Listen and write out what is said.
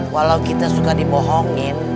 walau kita suka dibohongin